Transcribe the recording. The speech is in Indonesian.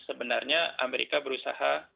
sebenarnya amerika berusaha